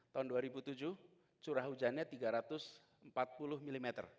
tahun dua ribu tujuh curah hujannya tiga ratus empat puluh mm